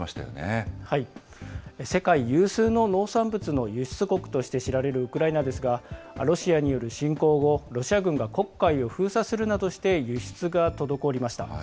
世界有数の農産物の輸出国として知られるウクライナですが、ロシアによる侵攻後、ロシア軍が黒海を封鎖するなどして輸出が滞りました。